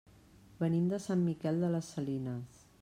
Venim de Sant Miquel de les Salines.